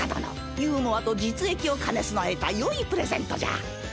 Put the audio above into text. ユーモアと実益を兼ね備えたよいプレゼントじゃ。